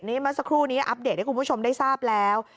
เมื่อสักครู่นี้อัปเดตให้คุณผู้ชมได้ทราบแล้ว